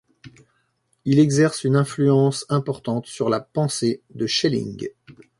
Il exerce une influence importante sur la pensée de Schelling.